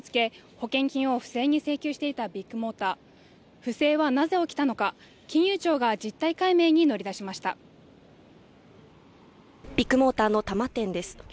保険金を不正に請求していたビッグモーター不正はなぜ起きたのか金融庁が実態解明に乗り出しましたビッグモーターの多摩店です